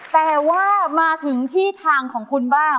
แต่ว่ามาถึงที่ทางของคุณบ้าง